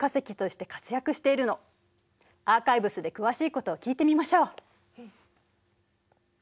アーカイブスで詳しいことを聞いてみましょう。